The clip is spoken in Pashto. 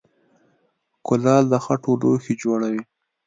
کولال د خټو لوښي جوړوي